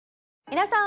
皆さん